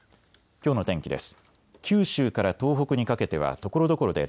きょうの天気です。